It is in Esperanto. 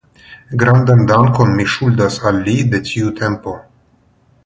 Grandan dankon mi ŝuldas al li de tiu tempo.